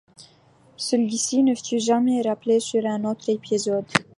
Celui-ci ne fut jamais rappelé sur un autre épisode.